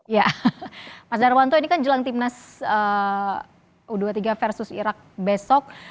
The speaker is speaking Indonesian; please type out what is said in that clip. ya mas darwanto ini kan jelang timnas u dua puluh tiga versus irak besok